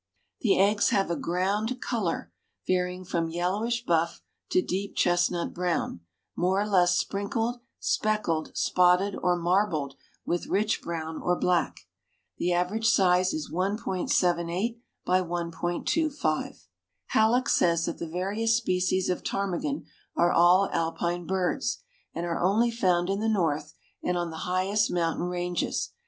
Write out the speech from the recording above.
The eggs have a ground color varying from yellowish buff to deep chestnut brown, more or less sprinkled, speckled, spotted, or marbled with rich brown or black. The average size is 1.78 by 1.25. Hallock says that the various species of ptarmigan are all Alpine birds, and are only found in the North and on the highest mountain ranges.